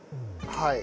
はい。